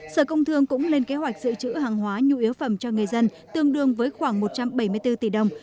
sở công thương cũng lên kế hoạch giữ chữ hàng hóa nhu yếu phẩm cho người dân tương đương với khoảng một trăm bảy mươi bốn tỷ đồng